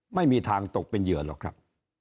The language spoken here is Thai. ไม่มีทางตกเป็นเหยื่อหรอกครับ